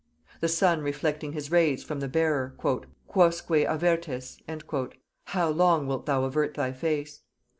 The sun reflecting his rays from the bearer, "Quousque avertes" (How long wilt thou avert thy face)?